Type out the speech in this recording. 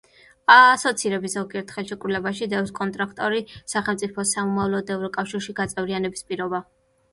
ასოცირების ზოგიერთ ხელშეკრულებაში დევს კონტრაქტორი სახელმწიფოს სამომავლოდ ევროკავშირში გაწევრიანების პირობა.